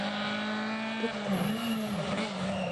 Туҡта әле, әсәй.